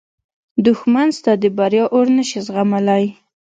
دښمن ستا د بریا اور نه شي زغملی